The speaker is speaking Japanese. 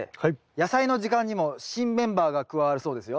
「やさいの時間」にも新メンバーが加わるそうですよ。